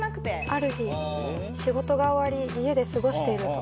ある日仕事が終わり家で過ごしていると